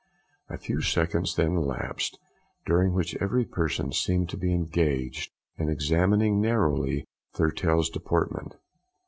A few seconds then elapsed, during which every person seemed to be engaged in examining narrowly Thurtell's deportment.